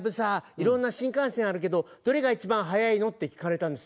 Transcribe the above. いろんな新幹線あるけどどれが一番速いの？」って聞かれたんです。